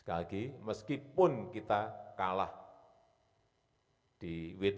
sekali lagi meskipun kita kalah di wto kalah kita urusan nikel ini kita dibawa ke bumt